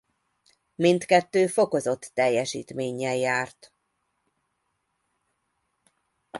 Mindkettő fokozott teljesítménnyel járt.